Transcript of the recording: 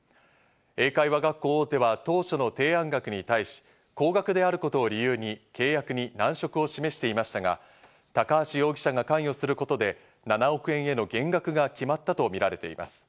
英会話学校大手は当社の提案額に対し高額であることを理由に契約に難色を示していましたが、高橋容疑者が関与することで、７億円への減額が決まったとみられています。